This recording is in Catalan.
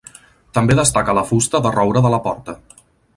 També destaca la fusta de roure de la porta.